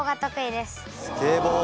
スケボー！